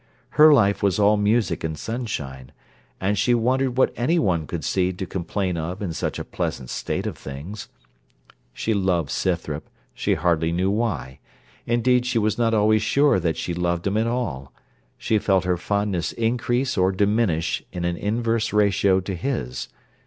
Her life was all music and sunshine, and she wondered what any one could see to complain of in such a pleasant state of things. She loved Scythrop, she hardly knew why; indeed she was not always sure that she loved him at all: she felt her fondness increase or diminish in an inverse ratio to his.